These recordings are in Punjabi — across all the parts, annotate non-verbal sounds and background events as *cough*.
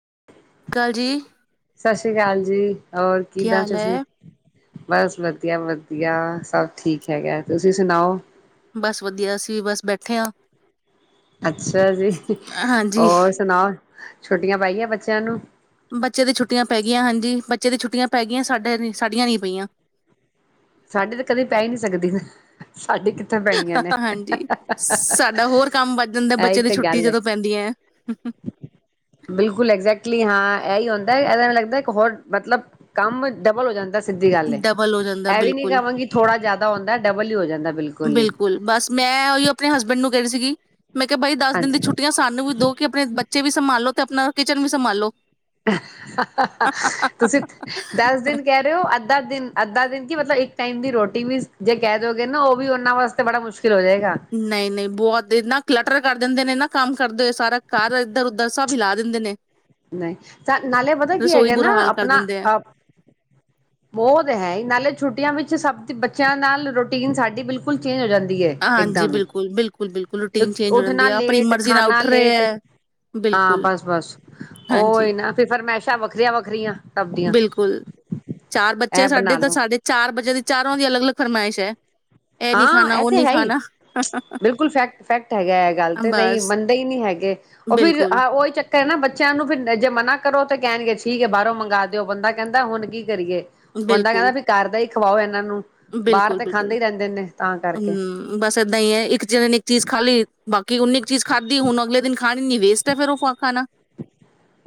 *inaudible* ਕਾਲ ਜੀ ਸਤਿ ਸ਼੍ਰੀ ਅਕਾਲ ਜੀ। ਔਰ, ਕੀ ਕਿੱਦਾਂ ਹਾਲ ਜੀ ਹੈ ਬਸ ਵਧੀਆ-ਵਧੀਆ ਸਭ ਠੀਕ ਹੈਗਾ, ਤੁਸੀਂ ਸੁਣਾਓ ਬਸ ਵਧੀਆ ਅਸੀਂ ਬਸ ਬੈਠੇ ਹਾਂ। ਅੱਛਾ ਜੀ, ਹਾਂਜੀ ਹੋਰ ਸੁਣਾਓ ਛੁਟੀਆਂ ਪੈ ਗੀਆਂ ਬੱਚਿਆਂ ਨੂੰ ਬੱਚੇ ਦੀ ਛੁੱਟੀਆਂ ਪੈ ਗਈਆਂ ਹਾਂਜੀ, ਬੱਚੇ ਦੀ ਛੁੱਟੀਆਂ ਪੈ ਗਈਆਂ, ਸਾਡੇ ਸਾਡੀਆਂ ਨਹੀਂ ਪਈਆਂ। ਸਾਡੇ ਤਾਂ ਕਦੇ ਪੈ ਹੀ ਨਹੀਂ ਸਕਦੀ ਸਾਡੇ ਕਿੱਥੇ ਪੈਣੀਆਂ ਨੇ, ਹਾ- ਹਾਂਜੀ ਹਾ- ਹਾ- ਹਾ- ਸਾਡਾ ਹੋਰ ਕੰਮ ਵੱਧ ਜਾਂਦਾ ਹਾ ਇਹੀ ਬੱਚੇ ਦੀ ਤੇ ਛੁੱਟੀ ਗੱਲ ਹੈ। ਜਦੋਂ ਪੈਂਦੀ ਹੈ ਬਿਲਕੁਲ ਐਗਜੈਕਟਲੀ ਹਾਂ। ਇਹੀ ਹੁੰਦਾ ਇਹਦੇ ਲੱਗਦਾ ਕਿ ਹੋਰ ਮਤਲਬ ਕੰਮ ਡਬਲ ਹੋ ਜਾਂਦਾ ਸੀ। ਸਿੱਧੀ ਗੱਲ। ਇਹ ਵੀ ਨੀ ਬਿਲਕੁ। ਕਹਾਂਗੀ ਥੋੜਾ ਜਿਆਦਾ ਹੁੰਦਾ ਡਬਲ ਹੀ ਹੋ ਜਾਂਦਾ ਹੀ ਬਿਲਕੁਲ, ਬਸ ਮੈਂ ਉਹੀ ਆਪਣੇ ਹਸਬੈਂਡ ਨੂੰ ਕਹ ਰਹੀ ਸੀਗੀ ਮੈਂ ਕਿਹਾ ਬਾਈ ਦਸ ਦਿਨ ਦੀ ਹਾਂਜੀ ਛੁੱਟੀਆਂ ਸਾਨੂੰ ਵੀ ਦੋ ਕਿ ਆਪਣੇ ਬੱਚੇ ਵੀ ਸੰਭਾਲੋ ਤੇ ਆਪਣਾ ਕਿਚਨ ਵੀ ਸੰਭਾਲੋ ਤੁਸੀਂ ਦਸ ਦਿਨ ਕਹਿ ਰਹੇ ਹੋ ਅੱਧਾ ਦਿਨ, ਅੱਧਾ ਦਿਨ ਕੀ ਮਤਲਬ ਇੱਕ ਟਾਈਮ ਦੀ ਰੋਟੀ ਵੀ ਜੇ ਕਹਿ ਦੋਗੇ ਨਾ ਉਹ ਵੀ ਉਹਨਾਂ ਵਾਸਤੇ ਬੜਾ ਮੁਸ਼ਕਿਲ ਹੋ ਜਾਏਗਾ ਨਹੀਂ-ਨਹੀਂ ਬਹੁਤ ਇਹ ਨਾ ਕਲਟਰ ਕਰ ਦਿੰਦੇ ਨੇ ਨਾ ਕੰਮ ਕਰਦੇ ਹੋਏ ਸਾਰਾ ਘਰ ਇੱਧਰ- ਉੱਧਰ ਸਭ ਹਿਲਾ ਦਿੰਦੇ ਨੇ ਨਹੀਂ ਤਾਂ ਨਾਲੇ ਪਤਾ ਕੀ ਰਸੋਈ ਹੈਗਾ ਬੁਰਾ ਨਾ ਹਾਲ ਕਰ ਆਪਣਾ ਦਿੰਦੇ ਆ ਬਹੁਤ ਹੈ ਨਾਲੇ ਛੁੱਟੀਆਂ ਵਿੱਚ ਸਭ ਬੱਚਿਆਂ ਨਾਲ ਰੂਟੀਨ ਸਾਡੀ ਬਿਲਕੁਲ ਚੇਂਜ ਹੋ ਜਾਂਦੀ ਹਾਂਜੀ ਇੱਕਦਮ ਹੀ ਬਿਲਕੁਲ ਬਿਲਕੁਲ ਬਿਲਕੁਲ ਤੇ ਰੂਟੀਨ ਚੇਂਜ ਹੋ ਜਾਂਦੀ ਉੱਠਣਾ, ਆ ਆਪਣੀ ਲੇਟ ਮਰਜ਼ੀ ਨਾਲ ਖਾਣਾ, ਉੱਠ ਰਹੇ ਲੇਟ ਹੈ ਹਾਂ ਬਿਲਕੁਲ ਬਸ ਬਸ ਹਾਂਜੀ ਉਹਹੀ ਨਾ ਫਿਰ ਫਿਰਮੇਸ਼ ਵੱਖਰੀਆਂ, ਵੱਖਰੀਆਂ ਸਭ ਦੀਆਂ ਬਿਲਕੁਲ ਚਾਰ ਬੱਚੇ ਇਹ ਬਣਾ ਸਾਡੇ ਤਾਂ ਲੋ ਸਾਡੇ ਚਾਰ ਬੱਚਿਆਂ ਦੀ ਚਾਰੋ ਦੀ ਅਲੱਗ-ਅਲੱਗ ਫਰਮਾਇਸ਼ *inaudible* ਨੀ ਹਾਂ ਖਾਣਾ ਇਹ ਉਹ ਤੇ ਨੀ ਹੈ ਹੀ ਖਾਣਾ ਬਿਲਕੁਲ, ਫੈਕਟ-ਫੈਕਟ ਹੈਗਾ ਇਹ ਗੱਲ ਤੇ ਨਹੀਂ ਬਸ ਮੰਨਦੇ ਹੀ ਨਹੀਂ ਹੈਗੇ। ਉਹ ਫਿਰ ਬਿਲਕੁਲ ਉਹੀ ਚੱਕਰ ਹੈ ਨਾ ਬੱਚਿਆਂ ਨੂੰ ਫਿਰ ਜੇ ਮਨਾ ਕਰੋ ਤਾਂ ਕਹਿਣਗੇ ਠੀਕ ਹੈ ਬਾਹਰੋਂ ਮੰਗਵਾ ਦਿਓ ਬੰਦਾ ਕਹਿੰਦਾ ਹੁਣ ਕੀ ਕਰੀਏ ਉਹਦਾ ਕਹਿੰਦਾ ਬਿਲਕੁਲ ਵੀ ਕਰਦਾ ਇੱਕ ਖਵਾਓ ਨੂੰ ਬਾਹਰ ਬਿਲਕੁਲ ਤੇ ਖਾਂਦੇ ਬਿਲਕੁਲ ਹੀ ਰਹਿੰਦੇ ਨੇ ਤਾਂ ਕਰਕੇ ਹਮ ਬਸ ਏਦਾਂ ਹੀ ਹੈ ਇੱਕ ਜਿ ਨੇ ਇੱਕ ਚੀਜ਼ ਖਾਲੀ ਕਿ ਉਨੀ ਇੱਕ ਚੀਜ਼ ਖਾਧੀ ਹੁਣ ਅਗਲੇ ਦਿਨ ਖਾਣ ਦੀ ਵੇਸਟ ਹੈ ਫਿਰਰੋ ਪਾ ਆਖਾਣਾ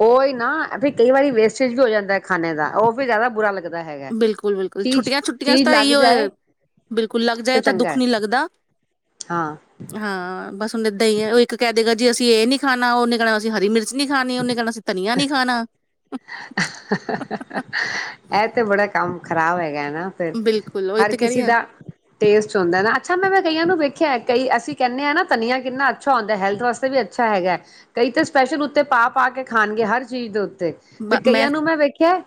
ਉਹੀ ਨਾ ਕਈ ਵਾਰੀ ਵੇਸਟੇਜ ਵੀ ਹੋ ਜਾਂਦਾ ਖਾੇ ਦਾ ਉਹ ਵੀ ਜ਼ਿਆਦਾ ਬੁਰਾ ਲੱ ਬਿਲਕੁਲ ਬਿਲਕੁਲ ਛੁੱਟੀਆਂ ਛੁੱਟੀਆਂ ਤਾਂ ਲੱਗ ਇਓ ਜਾਏ ਬਿਲਕੁਲ ਲੱਗ ਤੇ ਜਾਏ ਤਾਂ ਚੰਗਾ ਦੁੱਖ ਹੈ ਨ ਲੱਗਦਾ ਹਾਂ ਹਾਂ ਬਸ ਹੁਦੇ ਦਹੀਂ ਉਹ ਇੱਕ ਕਹਿ ਦੇਗਾ ਜੀ ਅਸੀਂ ਇਹ ਨੀ ਖਾਣਾ ਉਹ ਨੀ ਖਾਣਾ ਅਸੀਂ ਹਰੀ ਮਿਰ ਨੀ ਖਾਣੀ ਉਹਨੇ ਕਹਿਣਾ ਸੀ ਧਨੀਆ ਨੀ ਖਾਣਾ ਇਹ ਤੇ ਬੜਾ ਕੰਮ ਖ਼ਰਾਬ ਹੈਗਾ ਫ ਬਿਲਕੁਲ ਉਹੀ ਹਰ ਤੇ ਕਹਿ ਰਹੀ ਕਿਸੇ ਆ ਦਾ ਟੇਸਟ ਹੁੰਦਾ ਨਾ ਅੱਛਾ ਮੈਂੈਂ ਕਈਆਂ ਨੂੰ ਵਖ ਆ ਕਈ ਅਸੀਂ ਕਹਿੰਦੇ ਹਾਂ ਨਾ ਧਨੀਆ ਕਿੰਨਾ ਅੱਛਾ ਹੁੰਦਾ ਹੈਲਥ ਵਾਸਤੇ ਵੀ ਅੱਛਾ ਹੈਗਾ ਹੈ ਕਈ ਤੇ ਸਪੈਸ਼ਲ ਉੱਤੇ ਪਾ ਕੇ ਖਾਣਗੇ ਹਰ ਚੀਜ਼ ਦੇ ਤੇ ਕਈਆਂ ਨੂੰ ਮੈਂ ਵੇਖਿਆ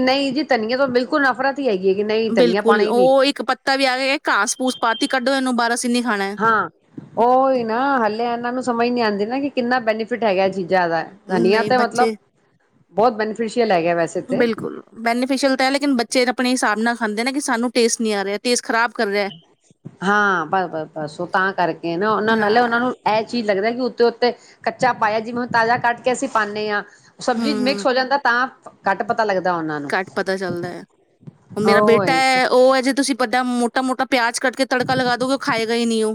ਨਹੀਂ ਜੀ ਤੰਨੀਏ ਤੋਂ ਬਿਲਕੁਲ ਨਫ਼ਰਤ ਹੀ ਹੈਗੀ ਹੈ ਕਿ ਨਹੀਂ ਧਨੀਆ ਪਾਉਣਾ ਬਿਲਕੁਲ ਹੀ ਨਹੀਂ ਉਹ ਇੱਕ ਪੱਤਾ ਵੀ ਆ ਕੇ ਘਾਸ ਪੂਸ ਪਾ ਕੱਢੋ ਇਹਨੂੰ ਬਾਰਾਸੀਨੀ ਹਾਂ ਉਹਹੀ ਨਾ ਹੱਲਿਆਂ ਨੂੰ ਸਮਝ ਨੀ ਆਉਂਦੀ ਨਾ ਕਿੰਨਾ ਬੈਨੀਫਿਟ ਹੈਗਾ ਜੀ ਜ਼ਿਆਦਾ ਧਨੀਆ ਨਹੀਂ ਤੇ ਮਤਲਬ ਬੱਚੇ ਬਹੁਤ ਬੈਫੀ ਬਿਲਕੁਲ ਬੈਨੀਫਿਸ਼ਅਲ ਤਾਂ ਹੈ ਲੇਕਿਨ ਬੱਚੇ ਆਪਣੇ ਹਿਸਾਬ ਨਾਲ ਖਾਂਦੇ ਨਾ ਕਿ ਸਾਨੂੰ ਟੇਸਟ ਨਹੀਂ ਆ ਰਿਹਾ ਟਸਟ ਹਾਂ ਬ ਬ ਬਸ ਉਹ ਤਾਂ ਕਰਕੇ ਨਾ ਉਹਨਾਂ ਨਾਲੇ ਉਹਨਾਂ ਹਾਂ ਨੂੰ ਇਹ ਚੀਜ਼ ਲੱਗਦਾ। ਉਤੇ ਉੱਤੇ ਕੱਚਾ ਪਾਇਆ ਜਿਵੇਂ, ਹੁਣ ਤਾਜ਼ਾ ਕੱਟ ਕੇ ਅਸੀਂ ਪਾਨੇ ਆ, ਸਬਜ਼ੀ ਚ ਹੂੰ ਮਿਕਸ ਹੋ ਜਾਂਦਾ ਤਾਂ, ਘੱਟ ਪ ਘੱਟ ਪਤਾ ਚੱਲਦਾ ਐ ਮੇਰਾ ਬੇਟਾ ਉਹ ਹੈ, ਉਹ ਐ ਜੇ ਤੁਸੀਂ, ਵੱਡਾ ਮੋਟਾ ਮੋਟਾ, ਪਿਆਜ ਕਟ ਕੇ ਤੜਕਾ ਲਗਾ ਦੋਗੇ, ਉਹ ਖਾਏਗਾ ਹੀ ਨਹੀਂ ਔ।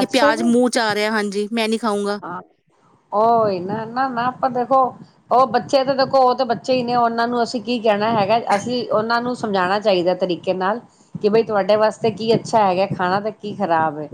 ਇਹ ਅੱਛਾ ਪਿਆਜ ਜੀ ਮੂੰਹ ਚ ਆ ਰਿਹਾ ਹਾਂਜੀ, ਮੈਂ ਨਹੀਂ ਖਾਊਂਗਾ ਹਾਂ ਔ ਈ ਨਾ ਨਾ ਨਾ ਆਪਾਂ ਦੇਖੋ ਉਹ ਬੱਚੇ ਤੇ ਦੇਖੋ, ਉਹ ਤਾਂ ਬੱਚੇ ਹੀ ਨੇ ਉਹਨਾਂ ਨੂੰ ਅਸੀਂ ਕੀ ਕਹਿਣਾ ਹੈਗਾ ਅਸੀਂ ਉਹਨਾਂ ਨੂੰ ਸਮਝਾਣਾ ਚਾਹੀਦਾ ਤਰੀਕੇ ਨਾਲ ਕਿ ਬਈ ਤੁਹਾਡੇ ਵਾਸਤੇ ਕੀ ਅੱਛਾ ਹੈਗਾ ਖਾਣਾ ਤਾਂ ਕੀ ਖਰਾਬ ਹੈ।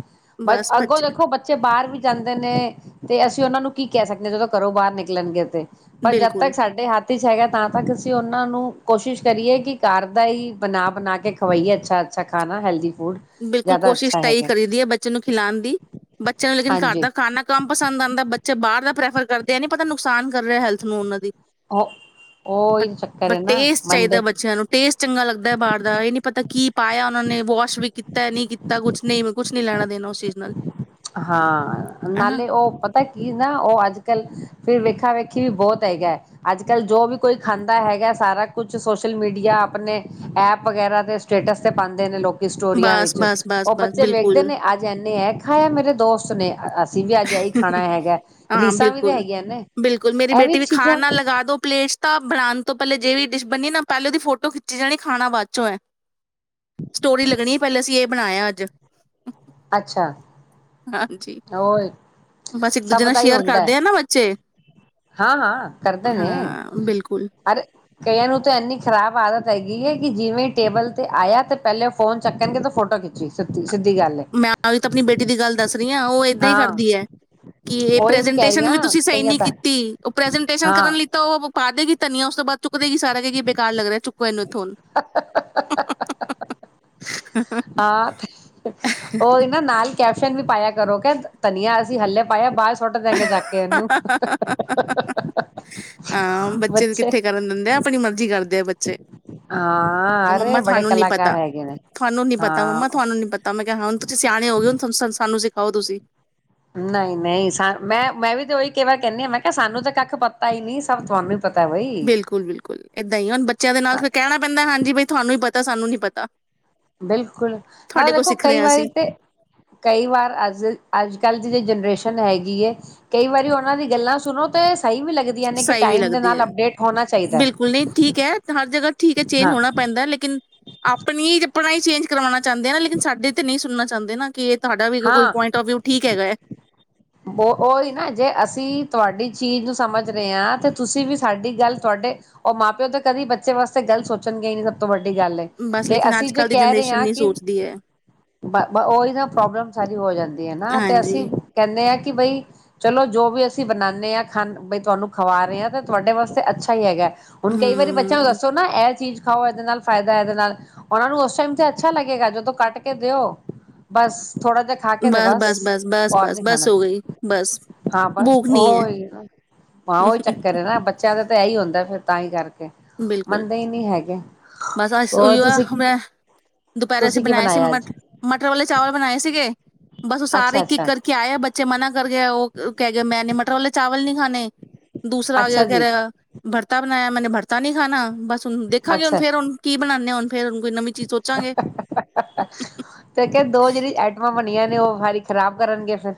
ਬਟ ਬਸ ਬੱਚੇ ਅੱਗੋਂ ਦੇਖੋ ਬੱਚੇ ਬਾਹਰ ਵੀ ਜਾਂਦੇ ਨੇ ਤੇ ਅਸੀਂ ਉਹਨਾਂ ਨੂੰ ਕੀ ਕਹਿ ਸਕਦੇ ਹਾਂ ਜਦੋਂ ਘਰੋਂ ਬਾਹਰ ਨਿਕਲਣਗੇ ਤੇ। ਬਟ ਜਦ ਬਿਲਕੁਲ, ਤੱਕ ਸਾਡੇ ਹੱਥ ਚ ਹੈਗਾ ਤਾਂ ਤੱਕ ਅਸੀਂ ਉਹਨਾਂ ਨੂੰ ਕੋਸ਼ਿਸ਼ ਕਰੀਏ, ਕਿ ਘਰ ਦਾ ਹੀ ਬਣਾ ਬਣਾ ਕੇ ਖਵਾਈਏ ਅੱਛਾ, ਅੱਛਾ ਖਾਣਾ ਹੈਲਦੀ ਫੂਡ ਬਿਲਕੁਲ ਜ਼ਿਆਦਾ ਕੋਸ਼ਿਸ਼ ਅੱਛਾ ਤਾਂ ਹੀ ਹੈਗਾ ਕਰੀ ਦੀ ਹੈ, ਬੱਚੇ ਨੂੰ ਖਿਲਾਣ ਦੀ ਬੱਚੇ ਨੂੰ ਲੇਕਿਨ ਘਰ ਦਾ ਹਾਂਜੀ ਖਾਨਾ ਕੰਮ ਪਸੰਦ ਆਦਾ ਬੱਚੇ ਬਾਹਰ ਦਾ ਪ੍ਰੈਫਰ ਕਰਦੇ ਨੇ ਇਹ ਨੀ ਪਤਾ ਨੁਕਸਾਨ ਕਰ ਰਿਹਾ ਹੈਲਥ ਨੂੰ ਉਹਨਾਂ ਦੀ। ਉਹ ਉਹ ਹੀ ਚੱਕਰ ਬਟ ਹੈ ਨਾ ਟੇਸਟ ਚਾਹੀਦਾ ਮੰਨਦੇ ਬੱਚਿਆਂ ਨੂੰ ਟੇਸਟ ਚੰਗਾ ਲੱਗਦਾ ਬਾਹਰ ਦਾ ਇਹ ਨੀ ਪਤਾ ਕੀ ਪਾਇਆ ਉਹਨਾਂ ਨੇ ਵਾਸ਼ ਵੀ ਕੀ ਤੈਅ ਨੀ ਕੀਤਾ ਕੁਛ ਨਹੀਂ ਕੁੱਛ ਨੀ ਲੈਣਾ ਦੇਣਾ ਉਸ ਚੀਜ਼ ਨਾਲ। ਹਾਂ ਹਨਾ ਨਾਲੇ ਉਹ ਪਤਾ ਕੀ ਨਾ ਉਹ ਅੱਜ ਕੱਲ ਫਿਰ ਵੇਖ ਵੇਖਾਂ ਵੇਖੀ ਵੀ ਬਹੁਤ ਹੈਗਾ, ਅੱਜ ਕੱਲ੍ਹ ਜੋ ਵੀ ਕੋਈ ਖਾਂਦਾ ਹੈਗਾ, ਸਾਰਾ ਕੁਛ ਸੋਸ਼ਲ ਮੀਡੀਆ ਆਪਣੇ ਐਪ ਵਗੈਰਾ ਤੇ ਸਟੇਟਸ ਤੇ ਪਾਦੇ ਨੇ ਲੋਕ ਸਟੋਰੀਆਂ ਬਸ, ਵਿੱਚ, ਬਸ, ਬਸ, ਉਹ ਬਸ ਬੱਚੇ ਵੇਖਦੇ ਬਿਲਕੁਲ। ਨੇ ਅੱਜ ਇੰਨੇ ਏ ਦੋਸਤ ਨੇ ਅ ਅ ਹਾਂ, ਵੀ ਤੇ ਬਿਲਕੁਲ ਹੈਗੀਆਂ ਨੇ ਬਿਲਕੁਲ ਮੇਰੀ ਇਹ ਬੇਟੀ ਵੀ ਚੀਜ਼ਾਂ ਖਾਨਾ ਲਗਾ ਦੋ ਪਲੇਸ ਤਾਂ ਬਨਾਉਣ ਤੋਂ ਪਹਿਲੇ ਜੇ ਵੀ ਡਿਸ਼ ਬਣੀ ਐ ਨਾ ਪਹਿਲੇ ਉਹਦੀ ਫੋਟੋ ਖਿੱਚੀ ਜਾਣੀ ਐ ਖਾਣਾ ਬਾਅਦ ਚੋਂ ਐ। ਸਟੋਰੀ ਲੱਗਣੀ ਪਹਿਲੇ ਅਸੀਂ ਇਹ ਬਣਾਇਆ ਅੱਜ। ਅੱਛਾ, ਹਾਂਜੀ, ਉਹ ਬਸ ਇੱਕ ਦੂਜੇ ਸਭ ਨਾਲ ਦਾ ਹੀ ਸ਼ੇਅਰ ਹੁੰਦਾ, ਕਰਦੇ ਆ ਨਾ ਬੱਚੇ ਹਾਂ ਹਾਂ ਕਰਦੇ ਨੇ ਹਾਂ ਬਿਲਕੁਲ ਅਰੇ ਕਈਆਂ ਨੂੰ ਤਾਂ ਇੰਨੀ ਖ਼ਰਾਬ ਆਦਤ ਹੈਗੀ ਹੈ, ਕਿ ਜਿਵੇਂ ਟੇਬਲ ਤੇ ਆਇਆ ਤੇ ਪਹਿਲੇ ਉਹ ਫੋਨ ਚੱਕਣਗੇ ਤੇ ਫੋਟੋ ਖਿੱਚੀ ਸੁਤੀ। ਮੈਂ ਤਾਂ ਆਪਣੀ ਬੇਟੀ ਦੀ ਗੱਲ ਦੱਸ ਨੀ ਅ ਔਹ ਏਦਾਂ ਹੀ ਹਾਂ ਕਰਦੀ ਹੈ, ਕਿ ਇਹ ਉਹੀ ਮੈਂ ਕਹਿ ਰਹੀ ਪ੍ਰਜੈਂਟੇਸ਼ਨ ਵੀ ਹਾਂ ਤੁਸੀਂ ਸਹੀ ਕਈਆਂ ਨੀ ਤਾਂ ਕੀਤੀ ਉਹ ਪ੍ਰਜੈਂਟੇਸ਼ਨ ਕਰਨ ਹਾਂ ਲਈ ਤਾਂ ਔਹ ਪਾ ਦੇਗੀ ਧਨੀਆ ਉਸ ਤੋਂ ਬਾਅਦ ਚੁੱਕਦੇ ਗੀ ਸਾਰਾ ਕਏਗੀ ਕੇ ਬਕਾਰ ਲੱਗ ਰਿਹਾ ਚੁੱਕੋ ਇਹਨੂੰ। ਤੋ ਹ ਆ ਉਹ ਹੀ ਨਾ ਨਾਲ ਕੈਪਸ਼ਨ ਵੀ ਪਾਇਆ ਕਰੋ ਕ ਧਨੀਆ ਅਸੀਂ ਹਲੇੇ ਪਾਇਆ ਬਾਅਦ ਸੁਟ ਦੇਗੇ ਚੱਕ ਕੇ ਉਹਨੂੰ ਬੱਚੇ, ਛੇ, ਹ ਮੰਮਾ ਤੁਹਾਨੂੰ ਨੀ ਪਤਾ ਨੇ ਤੁਹਾਨੂੰ ਨੀ ਪਤਾ ਹਾਂ ਮੰਮਾ ਤੁਹਾਨੂੰ ਨੀ ਪਤਾ ਮੈਂ ਕਿਹਾ ਹੁਣ ਤੁਸੀਂ ਸਿਆਣੇ ਹੋ ਗਏ ਹੁਣ ਸਾਨੂੰ ਸ ਆਓ ਤੁਸੀਂ, ਨਹੀਂ ਨਹੀਂ ਮੈਂ ਮੈਂ ਵੀ ਤੇ ਉਹੀ ਕਈ ਵਾਰ ਕਹਿੰਦੀ ਐ ਮੈਂ ਕਿਹਾ ਸਾਨੂੰ ਤਾਂ ਕੱਖ ਪਤਾ ਹੀ ਨੀ ਸਭ ਤੁਹਾਨੂੰ ਪਤਾ ਬਈ ਬਿਲਕੁਲ ਬਿਲਕੁਲ ਏਦਾਂ ਹੀ ਹੁਣ ਬੱਚਿਆਂ ਦੇ ਨਾਲ ਕਹਿਣਾ ਪੈਂਦਾ ਹਾਂਜੀ ਬਈ ਤੁਹਾਨੂੰ ਹੀ ਪਤ ਤਾਂ ਸਾਨੂੰ ਨੀ ਪਤਾ, ਬਿਲਕੁਲ ਮ ਤੁਹਾਡੇ ਕੋਲ ਦੇਖੋ ਸਿੱਖ ਰਹੇ ਕਈ ਹਾਂ ਅਸੀਂ ਵਾਰੀ ਤੇ ਕਈ ਵਾਰ ਅੱਜ ਅੱਜ, ਕੱਲ੍ਹ ਦੀ ਜੇ ਜਨਰੇਸ਼ਨ ਹੈਗੀ ਹੈ, ਕਈ ਵਾਰੀ ਉਹਨਾਂ ਦੀ ਗੱਲਾਂ ਸੁਣੋ ਤੇ ਸਹੀ ਵੀ ਲੱਗਦੀਆਂ ਨੇ ਕਿ ਸਹੀ ਵੀ ਟਾਈਮ ਦੇ ਲੱਗਦੀ ਨਾਲ ਹੈ, ਅਪਡੇਟ ਹੋਣਾ ਚਾਹੀਦਾ ਹੈ ਬਿਲਕੁਲ ਨਹੀਂ ਠੀਕ ਹੈ ਹਰ ਜਗ੍ਹਾ ਠੀਕ ਹੈ ਚੇਂਜ ਹਾਂ ਹੋਣਾ ਪੈਂਦਾ ਲੇਕਿਨ ਆਪਣੀ ਆਪਣਾ ਹੀ ਚੇਂਜ ਕਰਵਾਣਾ ਚਾਹੁੰਦੇ ਆ ਲੇਕਿਨ ਸਾਡੇ ਤੇ ਨਹੀਂ ਸੁਣਨਾ ਚਾਹੁੰਦੇ ਨਾ ਕਿ ਤੁਹਾਡਾ ਵੀ ਕੋਈ ਪੁਆਇੰਟ ਔਫ ਵਿਊ ਠੀਕ ਹੈਗਾ ਹੈ। ਬ ਉਹੀ ਨਾ ਜੇ ਅਸੀਂ ਤੁਹਾਡੀ, ਚੀਜ਼ ਨੂੰ ਸਮਝ ਰਹੇ ਹਾਂ ਤੇ ਤੁਸੀਂ ਵੀ ਸਾਡੀ ਗੱਲ ਤੁਹਾਡੇ ਉਹ ਮਾਂ ਪਿਓ ਤਾਂ ਕਦੇ ਬੱਚੇ ਵਾਸਤੇ ਗੱਲ ਸੋਚਣਗੇ ਹੀ ਨੀ ਸਭ ਤੋਂ ਵੱਡੀ ਗੱਲ ਹੈ ਬਸ ਤੇ ਲੇਕਿਨ ਅੱਜ ਅਸੀਂ ਜੇ ਕੱਲ ਦੀ ਕਹਿ ਰਹੇ ਜਨਰੇਸ਼ਨ ਹਾਂ ਨਹੀਂ ਕਿ ਸੋਚਦੀ ਹੈ ਉਹੀ ਨਾ ਪ੍ਰੋਬਲਮ ਸਾਰੀ ਹੋ ਜਾਂਦੀ ਹੈ, ਨਾ ਤੇ ਅਸੀਂ ਹਾਂਜੀ ਕਿ ਬਈ ਚਲੋ, ਜੋ ਵੀ ਅਸੀਂ ਬਣਾਨੇ ਹਾਂ ਖਾਨ ਬਈ ਤੁਹਾਨੂੰ ਖਵਾ ਰਹੇ ਹਾਂ ਤਾਂ ਤੁਹਾਡੇ ਵਾਸਤੇ ਅੱਛਾ ਹੀ ਹੈਗਾ। ਹੁਣ ਕਈ ਵਾਰੀ ਬੱਚਿਆਂ ਨੂੰ ਹਮ ਦੱਸੋ ਨਾ ਇਹ ਚੀਜ਼, ਖਾਓ ਇਹਦੇ ਨਾਲ ਫਾਇਦਾ ਹੈ, ਇਹਦੇ ਨਾਲ ਉਹਨਾਂ ਨੂੰ ਉਸ ਟਾਈਮ ਤੇ ਅੱਛਾ ਲੱਗੇਗਾ, ਜਦੋਂ ਕੱਟ ਕੇ ਦਿਓ ਬਸ। ਥੋੜਾ ਜਿਹਾ ਖਾ ਕੇ ਤੇ ਬਸ ਬਸ ਬਸ ਬਸ ਔਰ ਬਸ ਨੀ ਬਸ, ਖਾਣਾ ਹੋ ਗਈ ਬਸ ਹਾਂ ਬਸ ਭੂਖ ਨਹੀਂ ਹੈ ਉਹ ਹੀ ਨਾ ਹਾਂ ਉਹੀ ਚੱਕਰ ਹੈ ਨਾ ਬੱਚਾ, ਦਾ ਤਾਂ ਇਹੀ ਹੁੰਦਾ ਫਿਰ ਤਾਂ ਹੀ ਕਰਕੇ। ਬਿਲਕੁਲ ਮੰਨਦੇ ਹੀ ਨਹੀਂ ਹੈਗੇ ਬਸ ਅ ਉਹੀ ਹੋਰ ਆ ਤੁਸੀਂ ਬ ਦੁਪਹਿਰੇ ਅਸੀਂ ਤੁਸੀਂ ਕੀ ਬਣਾਏ ਸੀ ਬਣਾਇਆ ਮ ਅੱਜ ਮਟਰ ਵਾਲੇ ਚਾਵਲ ਬਣਾਏ ਸੀਗੇ। ਬਸ ਉਹ ਸਾਰੇ ਅੱਛਾ ਇੱਕ ਇੱਕ ਅੱਛਾ ਕਰਕੇ ਆਏ ਬੱਚੇ ਮਨਾ ਕਰ ਗਿਆ ਉਹ, ਕਹਿ ਮੈਂ ਨੀ ਮਟਰੋਲੇ ਚਾਵਲ ਨੀ ਖਾਣੇ, ਦੂਸਰਾ ਆ ਗਿਆ ਅੱਛਾ ਕਹਿ ਜੀ ਰਿਹਾ ਭਰਤਾ, ਮੈਂ ਮੇਨੇ ਭਰ ਤ ਨਹੀਂ ਖਾਣਾ ਬਸ, ਦੇਖਾਂਗੇ ਹੁਣ ਅੱਛਾ ਫੇਰ ਹੁਣ ਕੀ ਬਣਾਨੇ ਆ ਹੁਣ, ਫੇਰ ਹੁਣ ਕੋਈ ਨਵੀ, ਚੀਜ ਸੋਚਾਂਗੇ, ਤੇ ਦੋ ਜਿਹੜੀ ਆਈਟਮਾਂ ਬਣੀਆਂ ਨੇ ਉਹ ਸਾਰੀ ਖ਼ਰਾਬ ਕਰਨਗੇ ਫਿਰ,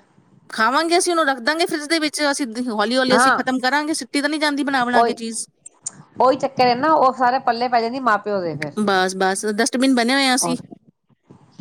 ਖਾਵਾਂਗੇ ਅਸੀਂ ਉਹਨੂੰ ਰੱਖਦਾਂਗੇ ਫਰਿੱਜ ਦੇ ਵਿੱਚ ਅਸੀਂ, ਹੌਲੀ ਹੌਲੀ ਅਸੀਂ ਹਾਂ ਖਤਮ ਕਰਾਂਗੇ। ਤਾਂ ਨਹੀਂ ਜਾਂਦੀ ਬਣਾ ਬਣਾ ਕੇ ਉਹੀ ਚੀਜ਼ ਉਹੀ ਚੱਕਰ ਨਾ ਉਹ ਸਾਰੇ ਪੱਲੇ ਪੈ ਜਾਂਦੀ ਮਾਂ ਪਿਓ ਦੇ ਫਿਰ ਬਸ ਬਸ ਡਸਟਬਿਨ ਬਣੇ ਹੋਏ ਆ ਅਸੀਂ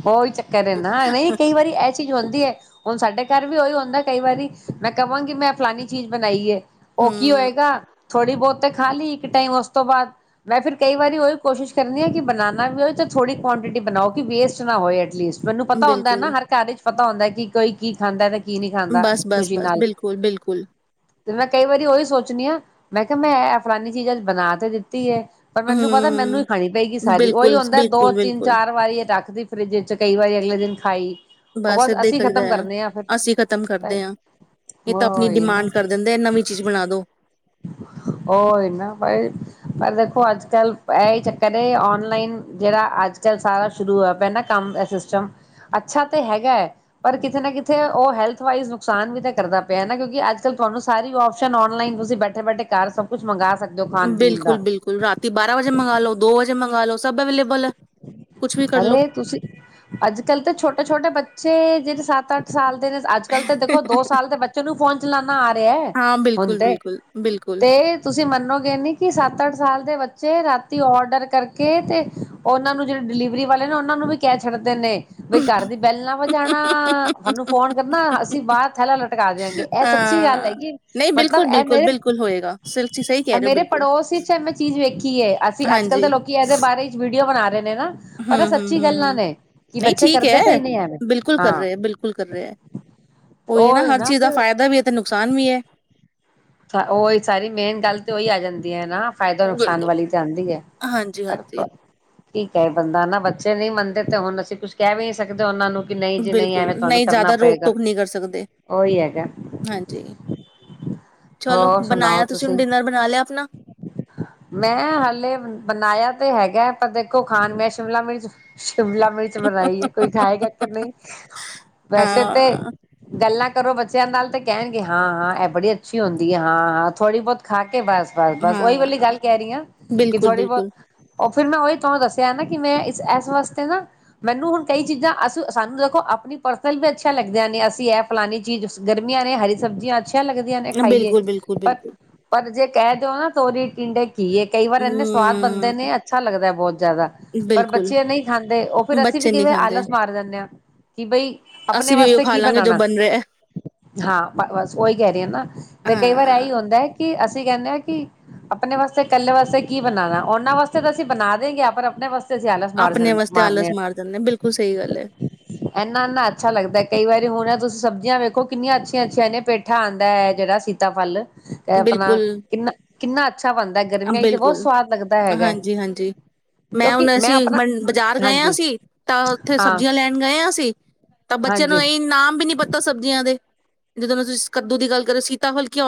ਉਹੀ ਚੱਕਰ ਐ ਨਾ ਐਵੇ ਕਈ ਵਾਰੀ ਇਹ ਚੀਜ਼ ਹੁੰਦੀ ਹੈ, ਹੁਣ ਸਾਡੇ ਘਰ ਵੀ ਉਹੀ ਹੁੰਦਾ ਕਈ ਵਾਰੀ ਮੈਂ ਕਹਾਂਗੀ ਮੈਂ ਫਲਾਨੀ ਚੀਜ਼ ਬਣਾਈ ਐ। ਉਹ ਕੀ ਹੂੰ ਹੋਏਗਾ। ਥੋੜ੍ਹੀ ਬਹੁਤ ਖਾ ਲਈ ਇੱਕ ਟਾਈਮ ਉਸ ਤੋਂ ਬਾਅਦ ਮੈਂ ਫਿਰ ਕਈ ਵਾਰੀ ਉਹੀ ਕੋਸ਼ਿਸ਼ ਕਰਨੀ ਐ ਕਿ ਬਨਾਣਾ ਵੀ ਔਈ। ਥੋੜੀ ਕੁਆਆਂਟਿਟੀ ਬਣਾਓ, ਕਿ ਵੇਸਟ ਨਾ ਹੋਏ ਐਟਲੀਸਟ ਮੈਨੂੰ ਪਤਾ ਹੁੰਦਾ ਨਾ ਬਿਲਕੁਲ ਹਰ ਘਰ ਈ ਪਤਾ ਹੁੰਦਾ ਕਿ ਕੋਈ ਕੀ ਖਾਂਦਾ ਤੇ ਕੀ ਨਹੀਂ ਖਾਂਦਾ ਬਸ ਬਸ ਖੁਸ਼ੀ ਬਸ ਨਾਲ ਬਿਲਕੁਲ ਬਿਲਕੁਲ, ਤੇ ਮੈਂ ਕਈ ਵਾਰੀ ਉਹੀ ਸੋਚਣੀ ਆ ਮੈਂ ਕਿਹਾ ਮੈਂ ਇਹ ਫਲਾਨੀ ਚੀਜ਼ਾਂ ਬਣਾ ਤੇ ਦਿੱਤੀ ਹੈ। ਪਰ ਮੈਨੂੰ ਪਤਾ ਮੈਨੂੰ ਹੀ ਹੂੰ ਖਾਣੀ ਪਏਗੀ ਸਾਰੀ ਉਹੀ ਬਿਲਕੁਲ ਹੁੰਦਾ। ਉਹ ਬਿਲਕੁਲ ਤਿੰਨ ਬਿਲਕੁਲ ਚਾਰ ਵਾਰੀ ਇਹ ਰੱਖਦੀ ਫਰਿੱਜ ਚ ਕਈ ਵਾਰੀ ਅਗਲੀ ਇੱਕ ਦਿਨ ਖਾਈ ਉਹ ਬਸ ਏਦਾਂ ਹੀ ਅਸੀਂ ਕਰੀਦਾ ਖ਼ਤਮ ਹੈ ਕਰਨੇ ਆ ਫਿਰ ਅਸੀਂ ਖ਼ਤਮ ਹੀ ਕਰਦੇ ਹਾਂ ਇਹ ਤਾਂ ਆਪਣੀ ਨਾ ਡਿਮਾਂਡ ਕਰ ਦਿੰਦੇ ਆ, ਨਵੀਂ ਚੀਜ਼ ਬਣਾ ਦੋ ਹੀ ਨਾ ਈ ਦੇਖੋ ਅੱਜ ਕੱਲ੍ਹ ਇਹ ਹੀ ਚੱਕਰ ਐ ਔਨਲਾਈਨ ਜਿਹੜਾ ਅੱਜ ਕੱਲ ਸਾਰਾ ਸ਼ੁਰੂ ਹੋਇਆ ਪਿਆ ਕੰਮ ਐ ਸਿਸਟਮ ਅੱਛਾ ਤੇ ਹੈਗਾ ਹੈ, ਪਰ ਕਿਤੇ ਨਾ ਕਿਤੇ ਉਹ ਹੈਲਥ ਵਾਈਸ ਨੁਕਸਾਨ ਵੀ ਤਾਂ ਕਰਦਾ ਪਿਆ ਕਿਉਂਕਿ ਅੱਜ ਕੱਲ ਤੁਹਾਨੂੰ ਸਾਰੀ ਔਪਸਨ ਔਨਲਾਈਨ ਤੁਸੀਂ ਬੈਠੇ ਬੈਠੇ ਘਰ ਸਭ ਕੁਛ ਮੰਗਾ ਸਕ ਬਿਲਕੁਲ ਬਿਲਕੁਲ ਰਾਤੀ ਬਾਰਾਂ ਵਜੇ ਮੰਗਵਾ ਲੋ ਦੋ ਵਜੇ ਤੇ ਮਗਾਲੋ ਅਰੇ ਤੁਸੀਂ ਅੱਜ ਕੱਲ ਤਾਂ ਛੋਟੇ ਛੋਟੇ ਬੱਚੇ ਜਿਹੜੇ ਸ ਸੱਤ ਅੱਠ ਸਾਲ ਅੱਜ ਕੱਲ੍ਹ ਤੇ ਦੇਖੋ ਦੋ ਸਾਲ ਦੇ ਬੱਚੇ ਨੂੰ ਫੋਨ ਚਲਾਉਣਾ ਆ ਰਿਹਾ ਹਾਂ ਹੁਣ ਬਿਲਕੁਲ ਤੇ ਬਿਲਕੁਲ ਬਿਲਕੁਲ ਤੇ ਤੁਸੀਂ ਮੰਨੋਗੇ ਨੀ ਕਿ ਸੱਤ ਸੱਤ ਅੱਠ ਸਾਲ ਦੇ ਬੱਚੇ ਰਾਤੀ ਔਡਰ ਕਰਕੇ ਤੇ ਉਹਨਾਂ ਨੂੰ, ਜਿਹੜੇ ਡਿਲੀਵਰੀ ਵਾਲੇ ਨੇ ਉਹਨਾਂ ਨੂੰ ਵੀ ਕਹਿ ਛੱਡਦੇ ਨੇ ਬਈ ਘਰ ਦੀ ਬੈਲ ਨਾ ਵਜਾਣਾ, ਸਾਨੂੰ ਫੋਨ ਕਰਨਾ ਅਸੀਂ ਬਾਹਰ ਥੈਲਾ ਲਟਕਾ ਦਿਆਂਗੇ, ਇਹ ਸੱਚੀ ਗੱਲ ਹਾਂ ਹੈਗੀ, ਨਹੀਂ ਮਤਲਬ ਬਿਲਕੁਲ ਇਹ ਬਿਲਕੁਲ ਮੇਰੇ ਬਿਲਕੁਲ ਹੋਏਗਾ ਸਿਰ ਸਹੀ ਇਹ ਕਹਿ ਰਹੇ ਹੋ ਮੇਰੇ ਬਿਲਕੁਲ ਪੜੋਸ ਚ ਐਵੇਂ ਚੀਜ਼ ਵੇਖੀ ਹੈ ਅਸੀਂ ਅੱਜ-ਕੱਲ ਤਾਂ ਲੋਕੀ ਇਹਦੇ ਬਾਰੇ ਵਧੀਆ ਬਣਾ ਰਹੇ ਨੇ ਨਾ ਪਰ ਇਹ ਸੱਚੀ ਗੱਲਾਂ ਹੂੰ-ਹੂੰ-ਹੂੰ-ਹੂੰ ਨੇ ਕਿ ਨਹੀਂ ਬੱਚੇ ਠੀਕ ਕਰਦੇ ਹੈ, ਪਏ ਨੇ ਐਵੇਂ ਬਿਲਕੁਲ ਕਰ ਹਾਂ ਰਹੇ ਬਿਲਕੁਲ ਕਰ ਰਹੇ, ਉਹੀ ਨਾ ਹਰ ਚੀਜ਼ ਦਾ ਫਾਇਦਾ ਵੀ ਹੈ, ਤੇ ਨੁਕਸਾਨ ਵੀ ਹੈ। ਉਹੀ ਸਾਰੀ ਮੇਨ ਗੱਲ ਤੇ ਉਹੀ ਆ ਜਾਂਦੀ ਹੈ, ਨਾ। ਫ਼ਾਇਦਾ- ਨੁਕਸਾਨ ਬਿਲਕੁਲ ਵਾਲੀ ਤਾਂ ਆਉਦੀ ਹੈ ਹਾਂਜੀ ਹਾਂਜੀ ਪਰ ਕੀ ਕਹੇ ਬੰਦਾ ਨਾ, ਬੱਚੇ ਨਹੀਂ ਮੰਨਦੇ ਤੇ ਹੁਣ ਅਸੀਂ ਕੁਛ ਕਹਿ ਵੀ ਨਹੀਂ ਸਕਦੇ ਉਹਨਾਂ ਨੂੰ ਕਿ ਨਹੀਂ ਜੀ ਬਿਲਕੁਲ, ਐਵੇਂ ਤੁਹਾਨੂੰ ਨਹੀਂ ਕਰਨਾ ਜ਼ਿਆਦਾ ਪਏਗਾ ਰੋਕ-ਟੋਕ ਨਹੀਂ ਕਰ ਸਕਦੇ ਉਹੀ ਹੈਗਾ ਹਾਂਜੀ। ਚਲੋ, ਹੋਰ ਸੁਣਾਓ ਬਣਾਇਆ ਤੁਸੀਂ ਹੁਣ ਡਿਨਰ ਬਣਾਲਿਆ। ਮੈਂ ਹਾਲੇ ਬਣਾਇਆ ਤੇ ਹੈਗਾ ਪਰ ਦੇਖੋ ਖਾਣ ਮੈਂ ਸ਼ਿਮਲਾ ਮਿਰਚ ਸ਼ਿਮਲਾ ਮਿਰਚ ਬਣਾਈ ਹੈ, ਕੋਈ ਖਾਏਗਾ ਕੇ ਨਹੀਂ ਵੈਸੇ ਤੇ ਹਾਂ ਗੱਲ ਕਰੋ ਬੱਚਿਆਂ ਨਾਲ ਤੇ ਕਹਿਣਗੇ, ਹਾਂ-ਹਾਂ ਇਹ ਬੜੀ ਅੱਛੀ ਹੁੰਦੀ ਹੈ ਹਾਂ-ਹਾਂ ਥੋੜ੍ਹੀ ਬਹੁਤ ਖਾ ਕੇ ਬਸ। ਬਸ- ਬਸ ਉਹੀ ਵਾਲੀ ਗੱਲ ਹਾਂ ਕਹਿ ਰਹੀ ਹਾਂ ਕਿ ਬਿਲਕੁਲ ਥੋੜ੍ਹੀ ਬਿਲਕੁਲ ਬਹੁਤ- ਫਿਰ ਮੈਂ ਉਹੀ ਤੁਹਾਨੂੰ ਦੱਸਿਆ ਨਾ, ਕਿ ਮੈਂ ਇਸ ਵਾਸਤੇ ਨਾ ਮੈਨੂੰ ਹੁਣ ਕਈ ਚੀਜ਼ਾਂ ਅਸੀਂ ਸਾਨੂੰ ਦੇਖੋ ਆਪਣੀ ਪਰਸਨਲਤੇ ਅੱਛੀਆਂ ਲੱਗਦੀਆਂ ਨੇ ਅਸੀਂ ਇਹ ਫਲਾਣੇ ਚੀਜ਼ ਗਰਮੀਆਂ ਨੇ ਹਰੀ ਸਬਜੀਆਂ ਅੱਛੀਆਂ ਲੱਗਦੀਆਂ ਨੇ ਖਾਈਏ ਬਿਲਕੁਲ ਬਿਲਕੁਲ ਬਿਲਕੁਲ ਪਰ-ਪਰ ਜੇ ਕਹਿ ਦੋ ਨਾ ਤੋਰੀ ਟਿੰਡੇ ਘੀਏ ਕਈ ਵਾਰ ਇਨੇ ਸਵਾਦ ਬਣਦੇ ਹਮ ਨੇ ਅੱਛਾ ਲੱਗਦਾ ਹੈ, ਬਹੁਤ। ਜ਼ਿਆਦਾ ਪਰ ਬਿਲਕੁਲ ਬੱਚੇ ਨਹੀਂ ਖਾਂਦੇ ਉਹ ਫਿਰ ਅਸੀਂ ਵੀ ਬੱਚੇ ਕਈ ਨਹੀਂ ਵਾਰ ਖਾਂਦੇ ਆਲਸ ਮਾਰ ਜਾਂਦੇ ਹਾਂ ਕਿ ਬਈ ਆਪਣੇ ਅਸੀਂ ਵੀ ਉਹੀਓ ਵਸਤੇ ਖਾ ਕੀ ਲਾਂਗੇ ਜੋ ਬਣਾਣਾ ਬਣ ਰਿਹਾ ਹਾਂ ਬਸ ਉਹੀ ਕਹਿ ਰਹੇ ਹ ਨਾ ਤੇ ਕਈ ਵਾਰ ਹਾਂ ਇਹੀਪਰ ਬੱਚੇ ਨਹੀਂ ਖਾਂਦੇ ਉਹ ਫਿਰ ਅਸੀਂ ਅਸੀਂ ਕਹਿੰਦੇ ਹਾਂ, ਕਿ ਆਪਣੇ ਵਾਸਤੇ ਇਕੱਲੇ ਵਾਸਤੇ ਕੀ ਬਣਾਣਾ, ਉਹਨਾਂ ਵਾਸਤੇ ਤਾਂ ਅਸੀਂ ਬਣਾ ਦੇਗੇ ਪਰ ਆਪਣੇ ਵਾਸਤੇ ਅਸੀਂ ਆਲਸ ਆਪਣੇ ਵਾਸਤੇ ਮਾਰਨੇ ਆਲਸ ਹਾਂ ਮਾਰ ਦਿੰਦੇ ਬਿਲਕੁਲ ਸਹੀ ਗੱਲ ਹੈ ਇਨਾ-ਇਨਾ ਅੱਛਾ ਲੱਗਦਾ ਕਈ ਵਾਰੀ ਹੁਣੇ ਸਬਜ਼ੀਆਂ ਵੇਖੋ ਕਿੰਨੀਆਂ ਅੱਛੀਆਂ-ਅੱਛੀਆਂ ਨੇੇ ਪੇਠਾ ਆਂਦਾ ਹੈ ਜਿਹੜਾ ਸੀਤਾ ਫਲ ਕੇ ਆਪਣਾ ਬਿਲਕੁਲ ਕਿੰਨਾ ਕਿੰਨਾ ਅੱਛਾ ਬਣਦਾ ਗਰਮੀਆਂ ਚ ਤੇ ਬਹੁਤ ਬਿਲਕੁਲ ਸਵਾਦ ਲੱਗਦਾ ਹੈਗਾ ਹਾਂਜੀ-ਹਾਂਜੀ, ਮੈਂ ਕਿਉਂਕਿ ਹੁਣ ਅਸੀਂ ਆਪਣਾ ਬਾਜ਼ਾਰ ਗਏ ਹਾ ਹਾਂਜੀ ਅਸੀ ਤਾਂ ਉੱਥੇ ਹਾਂ ਸਬਜ਼ੀਆਂ ਲੈਣ ਗਏ ਹਾ ਅਸੀ। ਤਾਂ ਬੱਚਿਆਂ ਨੂੰ ਹਾਂਜੀ ਇਹ ਨਾਮ ਵੀ ਨਹੀ ਪਤਾ ਸਬਜ਼ੀਆਂ ਦੇ। ਜਦੋਂ, ਮੈਂ ਤੁਸੀਂ ਕੱਦੂ ਦੀ ਗੱਲ ਕਰ ਰਹੋ ਸੀਤਾ ਫਲ ਕਿਉਂ?